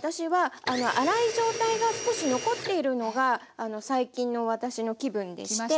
私は粗い状態が少し残っているのが最近の私の気分でして。